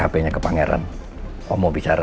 hp nya ke pangeran om mau bicara